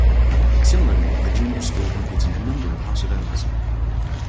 Similarly, The Junior School competes in a number of House events.